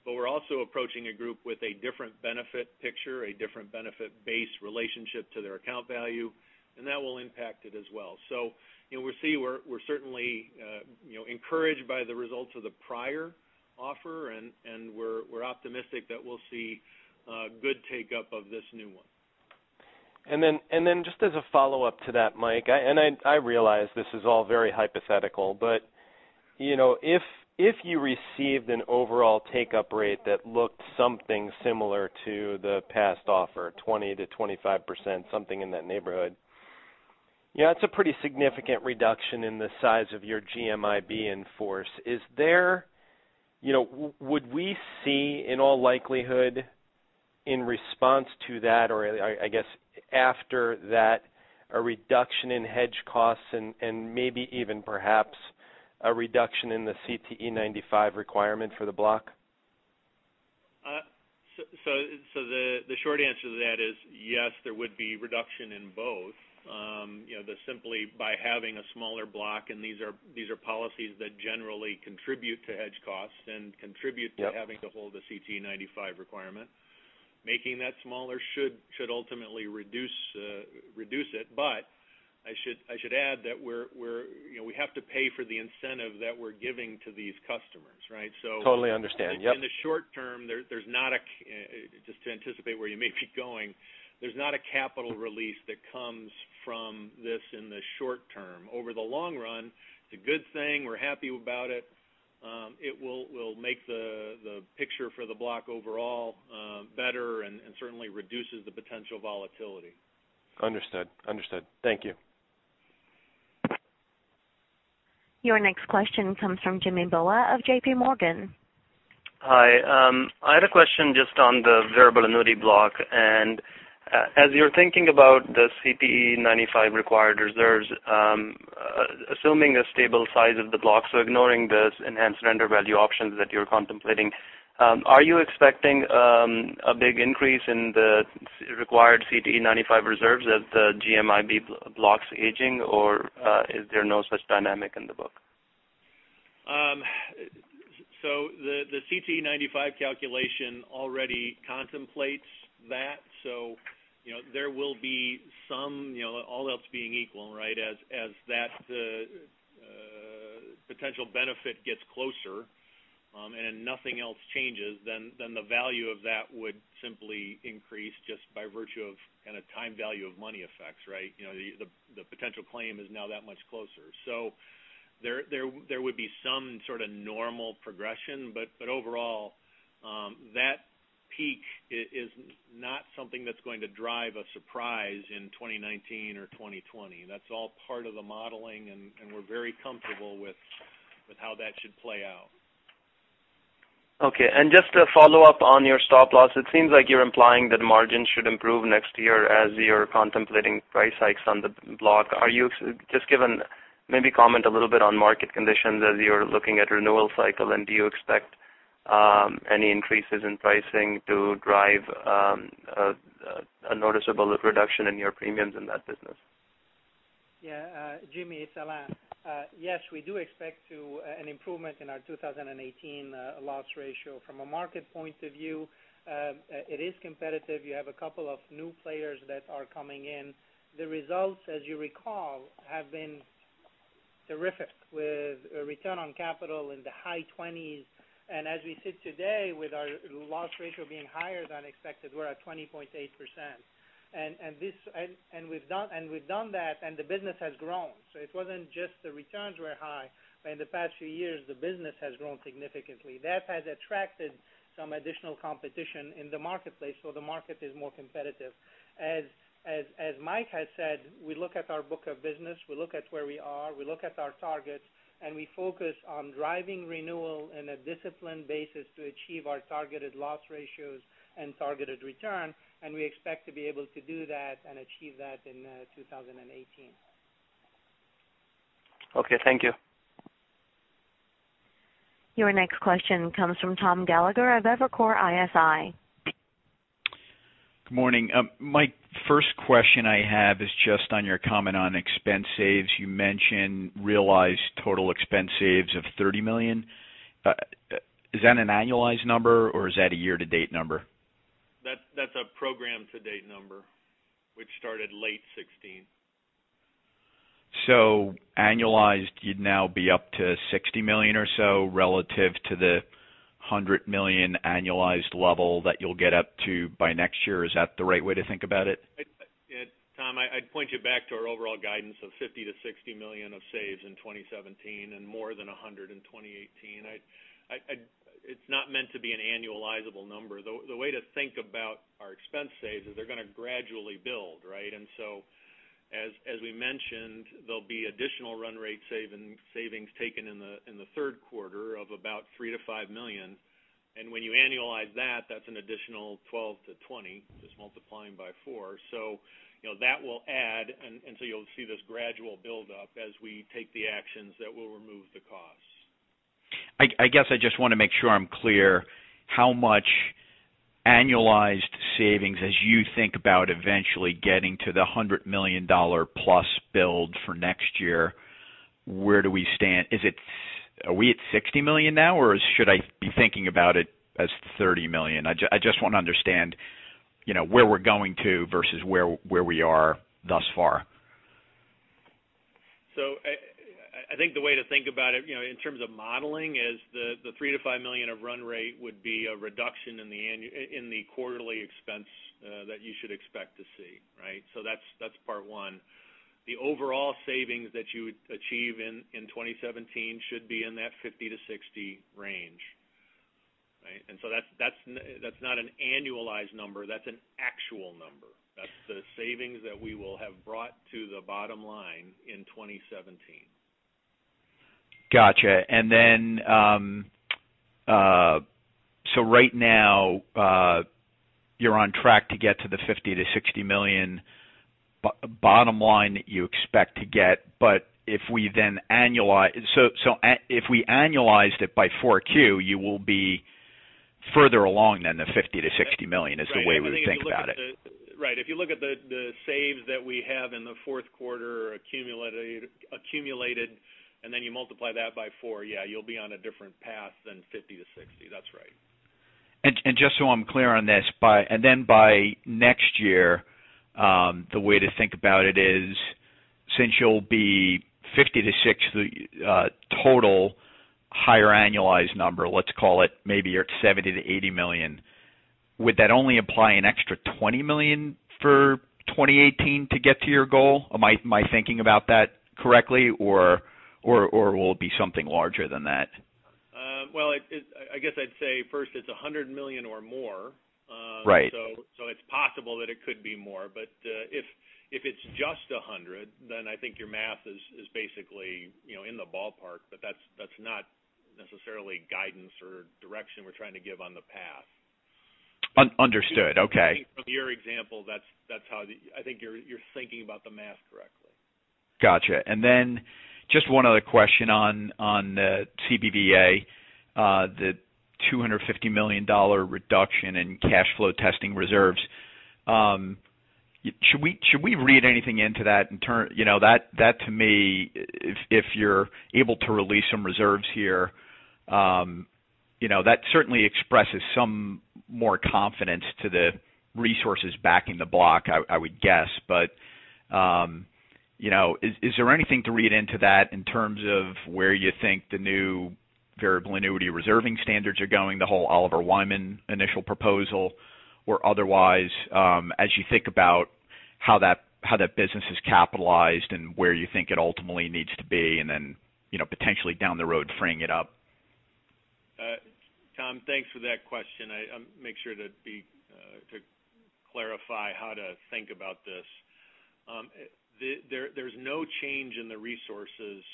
[SPEAKER 5] We're also approaching a group with a different benefit picture, a different benefit base relationship to their account value, and that will impact it as well. We're certainly encouraged by the results of the prior offer, and we're optimistic that we'll see good take-up of this new one.
[SPEAKER 12] Just as a follow-up to that, Mike, and I realize this is all very hypothetical, but if you received an overall take-up rate that looked something similar to the past offer, 20% to 25%, something in that neighborhood, that's a pretty significant reduction in the size of your GMIB in force. Would we see, in all likelihood, in response to that, or I guess after that, a reduction in hedge costs and maybe even perhaps a reduction in the CTE95 requirement for the block?
[SPEAKER 5] The short answer to that is yes, there would be reduction in both. Simply by having a smaller block, and these are policies that generally contribute to hedge costs and contribute to having to hold a CTE95 requirement. Making that smaller should ultimately reduce it. I should add that we have to pay for the incentive that we're giving to these customers, right?
[SPEAKER 12] Totally understand. Yep.
[SPEAKER 5] In the short term, just to anticipate where you may be going, there's not a capital release that comes from this in the short term. Over the long run, it's a good thing. We're happy about it. It will make the picture for the block overall better and certainly reduces the potential volatility.
[SPEAKER 12] Understood. Thank you.
[SPEAKER 1] Your next question comes from Jimmy Bhullar of JPMorgan.
[SPEAKER 13] Hi. I had a question just on the variable annuity block. As you're thinking about the CTE95 required reserves, assuming a stable size of the block, so ignoring this enhanced surrender value options that you're contemplating, are you expecting a big increase in the required CTE95 reserves as the GMIB blocks aging, or is there no such dynamic in the book?
[SPEAKER 5] The CTE95 calculation already contemplates that. There will be some, all else being equal, as that potential benefit gets closer, and nothing else changes, then the value of that would simply increase just by virtue of time value of money effects, right? The potential claim is now that much closer. There would be some sort of normal progression, but overall, that peak is not something that's going to drive a surprise in 2019 or 2020. That's all part of the modeling, and we're very comfortable with how that should play out.
[SPEAKER 13] Okay, just to follow up on your Stop-Loss, it seems like you're implying that margins should improve next year as you're contemplating price hikes on the block. Maybe comment a little bit on market conditions as you're looking at renewal cycle, and do you expect any increases in pricing to drive a noticeable reduction in your premiums in that business?
[SPEAKER 4] Jimmy, it's Alain. Yes, we do expect an improvement in our 2018 loss ratio. From a market point of view, it is competitive. You have a couple of new players that are coming in. The results, as you recall, have been terrific with a return on capital in the high 20s. As we sit today with our loss ratio being higher than expected, we're at 20.8%. We've done that, and the business has grown. It wasn't just the returns were high, but in the past few years, the business has grown significantly. That has attracted some additional competition in the marketplace, so the market is more competitive. As Mike has said, we look at our book of business, we look at where we are, we look at our targets, and we focus on driving renewal in a disciplined basis to achieve our targeted loss ratios and targeted return, and we expect to be able to do that and achieve that in 2018.
[SPEAKER 13] Okay, thank you.
[SPEAKER 1] Your next question comes from Tom Gallagher of Evercore ISI.
[SPEAKER 14] Good morning. Mike, first question I have is just on your comment on expense saves. You mentioned realized total expense saves of $30 million. Is that an annualized number, or is that a year-to-date number?
[SPEAKER 5] That's a program-to-date number, which started late 2016.
[SPEAKER 14] Annualized, you'd now be up to $60 million or so relative to the $100 million annualized level that you'll get up to by next year. Is that the right way to think about it?
[SPEAKER 5] Tom, I'd point you back to our overall guidance of $50 million-$60 million of saves in 2017 and more than $100 million in 2018. It's not meant to be an annualizable number. The way to think about our expense saves is they're going to gradually build, right? As we mentioned, there'll be additional run rate savings taken in the third quarter of about $3 million-$5 million. When you annualize that's an additional $12 million-$20 million, just multiplying by four. That will add, you'll see this gradual buildup as we take the actions that will remove the costs.
[SPEAKER 14] I guess I just want to make sure I'm clear how much annualized savings as you think about eventually getting to the $100 million-plus build for next year, where do we stand? Are we at $60 million now, or should I be thinking about it as $30 million? I just want to understand where we're going to versus where we are thus far.
[SPEAKER 5] I think the way to think about it, in terms of modeling, is the $3 million-$5 million of run rate would be a reduction in the quarterly expense that you should expect to see, right? That's part one. The overall savings that you would achieve in 2017 should be in that $50 million-$60 million range. Right? That's not an annualized number, that's an actual number. That's the savings that we will have brought to the bottom line in 2017.
[SPEAKER 14] Right now, you're on track to get to the $50 million-$60 million bottom line that you expect to get. If we then annualize it by 4Q, you will be further along than the $50 million-$60 million is the way we think about it.
[SPEAKER 5] If you look at the saves that we have in the fourth quarter accumulated, you multiply that by four, yeah, you'll be on a different path than $50 million-$60 million. That's right.
[SPEAKER 14] Just so I'm clear on this, by next year, the way to think about it is, since you'll be $50 million-$60 million total higher annualized number, let's call it maybe you're at $70 million-$80 million. Would that only apply an extra $20 million for 2018 to get to your goal? Am I thinking about that correctly? Will it be something larger than that?
[SPEAKER 5] Well, I guess I'd say first it's $100 million or more.
[SPEAKER 14] Right.
[SPEAKER 5] It's possible that it could be more. If it's just 100, then I think your math is basically in the ballpark. That's not necessarily guidance or direction we're trying to give on the path.
[SPEAKER 14] Understood. Okay.
[SPEAKER 5] I think from your example, I think you're thinking about the math correctly.
[SPEAKER 14] Got you. Then just one other question on the CBVA, the $250 million reduction in cash flow testing reserves. Should we read anything into that in turn? That to me, if you're able to release some reserves here, that certainly expresses some more confidence to the resources backing the block, I would guess. Is there anything to read into that in terms of where you think the new variable annuity reserving standards are going, the whole Oliver Wyman initial proposal or otherwise, as you think about how that business is capitalized and where you think it ultimately needs to be, and then potentially down the road, freeing it up?
[SPEAKER 5] Tom, thanks for that question. I make sure to clarify how to think about this. There's no change in the resources,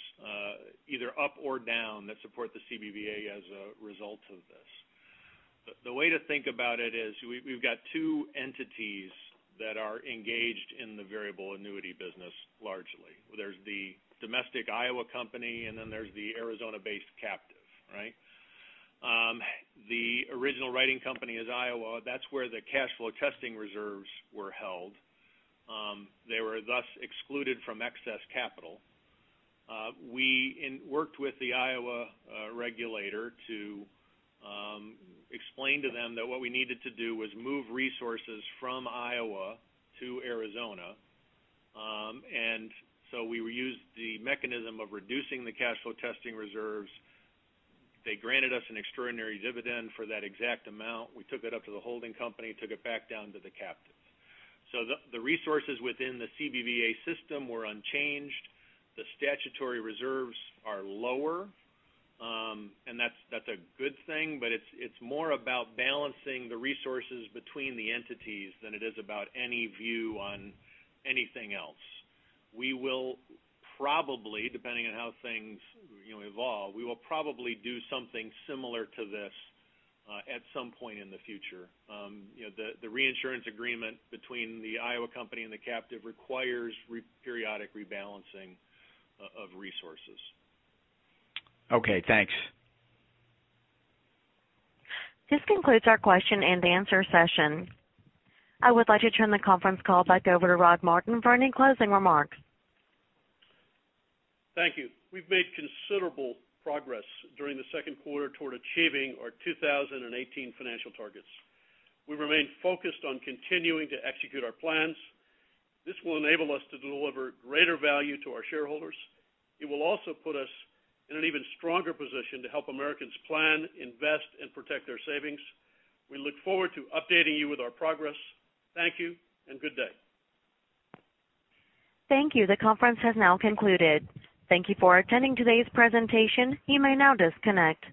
[SPEAKER 5] either up or down that support the CBVA as a result of this. The way to think about it is we've got two entities that are engaged in the variable annuity business, largely. There's the domestic Iowa company, and then there's the Arizona-based captive. The original writing company is Iowa. That's where the cash flow testing reserves were held. They were thus excluded from excess capital. We worked with the Iowa regulator to explain to them that what we needed to do was move resources from Iowa to Arizona. We used the mechanism of reducing the cash flow testing reserves. They granted us an extraordinary dividend for that exact amount. We took it up to the holding company, took it back down to the captives. The resources within the CBVA system were unchanged. The statutory reserves are lower, and that's a good thing, but it's more about balancing the resources between the entities than it is about any view on anything else. We will probably, depending on how things evolve, we will probably do something similar to this at some point in the future. The reinsurance agreement between the Iowa company and the captive requires periodic rebalancing of resources.
[SPEAKER 14] Okay, thanks.
[SPEAKER 1] This concludes our question and answer session. I would like to turn the conference call back over to Rod Martin for any closing remarks.
[SPEAKER 3] Thank you. We've made considerable progress during the second quarter toward achieving our 2018 financial targets. We remain focused on continuing to execute our plans. This will enable us to deliver greater value to our shareholders. It will also put us in an even stronger position to help Americans plan, invest, and protect their savings. We look forward to updating you with our progress. Thank you and good day.
[SPEAKER 1] Thank you. The conference has now concluded. Thank you for attending today's presentation. You may now disconnect.